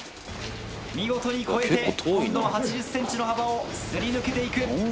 見事に越えて今度は８０ｃｍの幅を擦り抜けて行く。